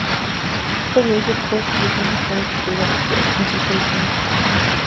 Todo ello, pues, desde una clara actitud de ruptura con sus orígenes acomodados.